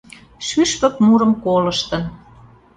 Шӱшпык мурым колыштын.